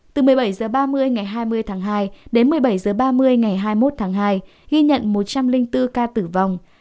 từ một mươi bảy h ba mươi ngày hai mươi tháng hai đến một mươi bảy h ba mươi ngày hai mươi một tháng hai ghi nhận một trăm linh bốn ca tử vong